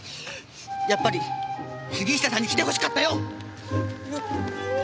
やっぱり杉下さんに来て欲しかったよ！